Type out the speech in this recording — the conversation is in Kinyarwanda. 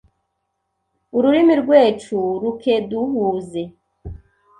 ururimi rwecu rukeduhuze,